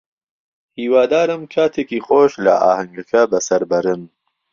هیوادارم کاتێکی خۆش لە ئاهەنگەکە بەسەر بەرن.